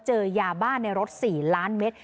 เจอยาบ้าในรถ๔ล้านเมตร